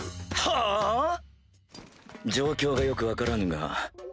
はぁ？状況がよく分からぬが。